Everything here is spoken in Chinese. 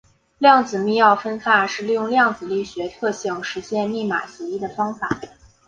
量子密钥分发是利用量子力学特性实现密码协议的方法。